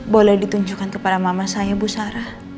boleh ditunjukkan kepada mama saya bu sarah